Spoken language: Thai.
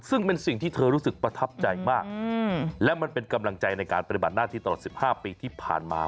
ซึ่งเป็นสิ่งที่เธอรู้สึกประทับใจมากและมันเป็นกำลังใจในการปฏิบัติหน้าที่ตลอด๑๕ปีที่ผ่านมา